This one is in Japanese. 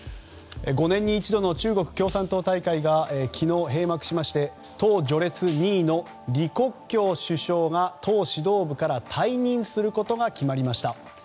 ５年に一度の中国共産党大会が昨日、閉幕しまして党序列２位の李克強首相が党指導部から退任することが決まりました。